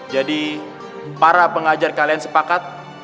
jadi para pengajar kalian sepakat